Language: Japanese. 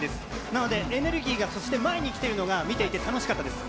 なのでエネルギーが、そして前に来ているのが、見ていて楽しかったです。